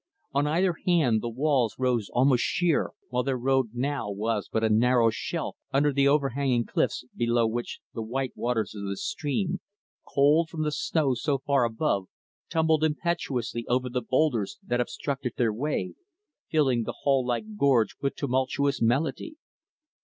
On either hand, the walls rose almost sheer, while their road, now, was but a narrow shelf under the overhanging cliffs, below which the white waters of the stream cold from the snows so far above tumbled impetuously over the boulders that obstructed their way filling the hall like gorge with tumultuous melody.